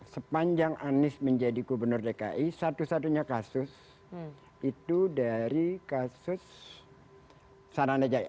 sepanjang anies menjadi gubernur dki satu satunya kasus itu dari kasus saranajaya